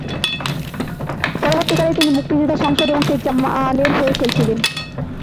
পরবর্তীকালে, তিনি মুক্তিযোদ্ধা সংসদ এবং শেখ জামালের হয়ে খেলেছিলেন।